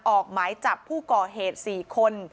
ออกหมายจับผู้ก่อเหตุ๔คน